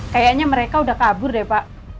kayaknya mereka udah kabur deh pak